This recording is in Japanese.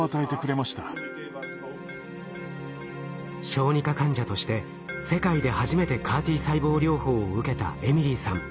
小児科患者として世界で初めてＣＡＲ−Ｔ細胞療法を受けたエミリーさん。